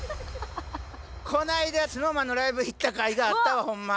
この間ＳｎｏｗＭａｎのライブ行ったかいがあったわホンマ。